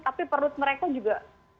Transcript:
tapi perut mereka juga